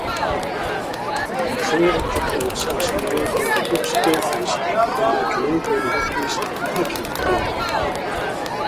Trail updates are supplied by the book's authors on their Canadian Rockies hiking blog.